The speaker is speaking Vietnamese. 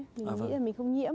mình nghĩ là mình không nhiễm